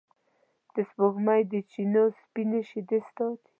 د سپوږمۍ د چېنو سپینې شیدې ستا دي